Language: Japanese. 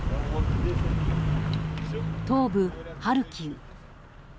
東部ハルキウ。